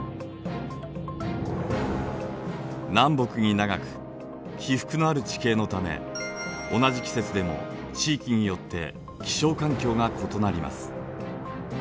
南北に長く起伏のある地形のため同じ季節でも地域によって気象環境が異なります。